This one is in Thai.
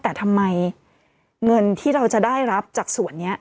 แต่ทำไมเงินที่เราจะได้รับจากส่วนนี้